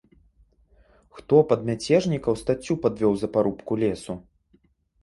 Хто пад мяцежнікаў стаццю падвёў за парубку лесу?